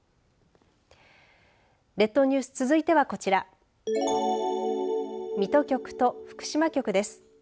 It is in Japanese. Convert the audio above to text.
列島ニュース続いてはこちら水戸局と福島局です。